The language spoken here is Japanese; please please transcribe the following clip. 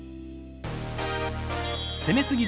「攻めすぎ！？